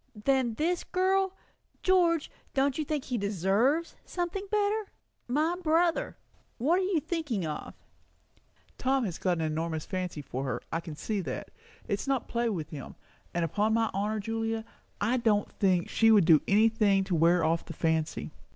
"Than this girl? George, don't you think he deserves something better? My brother? What are you thinking of?" "Tom has got an enormous fancy for her; I can see that. It's not play with him. And upon my honour, Julia, I do not think she would do any thing to wear off the fancy."